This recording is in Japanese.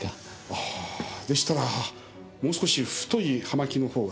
あぁでしたらもう少し太い葉巻のほうが。